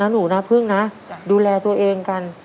หนูนะพึ่งนะดูแลตัวเองกัน